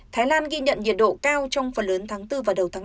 thái lan ghi nhận nhiệt độ cao trong phần lớn tháng bốn và đầu tháng năm